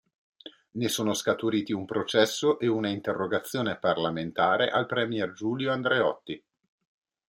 Ne sono scaturiti un processo e una interrogazione parlamentare al premier Giulio Andreotti.